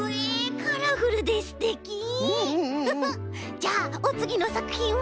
じゃあおつぎのさくひんは？